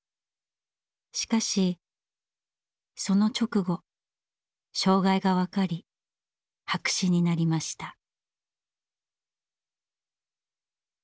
しかしその直後障害が分かり白紙になりました。